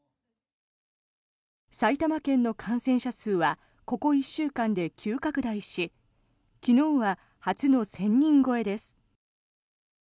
埼玉県の感染者数はここ１週間で急拡大し昨日は初の１０００人超えです。